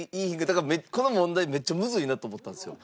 だからこの問題めっちゃむずいなと思ったんですよ。